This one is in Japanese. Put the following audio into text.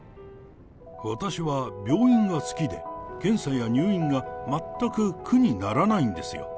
私は病院が好きで、検査や入院が全く苦にならないんですよ。